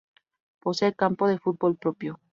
Posee campo de fútbol propio.